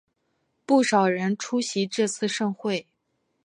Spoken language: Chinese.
不少人出席这次盛会。